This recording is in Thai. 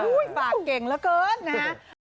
อุ้ยฝากเก่งเหลือเกินนะฮะ